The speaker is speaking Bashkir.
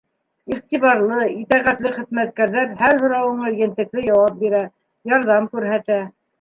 Иғтибарлы, итәғәтле хеҙмәткәрҙәр һәр һорауыңа ентекле яуап бирә, ярҙам күрһәтә.